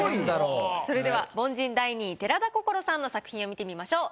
それでは凡人第２位寺田心さんの作品を見てみましょう。